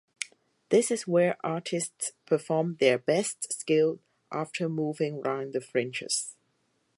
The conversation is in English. This is where artists perform their best skill after moving round the fringes.